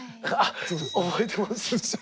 覚えてます？